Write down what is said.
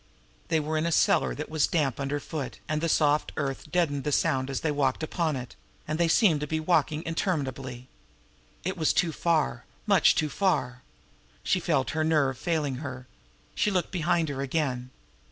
They were in a cellar that was damp underfoot, and the soft earth deadened all sound as they walked upon it and they seemed to be walking on interminably. It was too far much too far! She felt her nerve failing her. She looked behind her again.